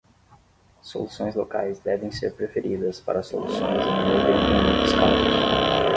Soluções locais devem ser preferidas para soluções em nuvem em muitos casos.